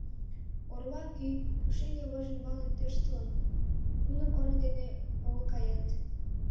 Орва кӱ, пушеҥге вож ӱмбалне тӧрштылын: нуно корно дене огыл каеныт.